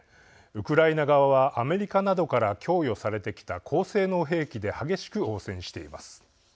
ウクライナ側はアメリカなどから供与されてきた高性能兵器で激しく応戦しています。